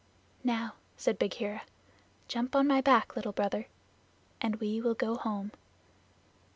"Now," said Bagheera, "jump on my back, Little Brother, and we will go home."